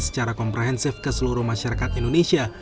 secara komprehensif ke seluruh masyarakat indonesia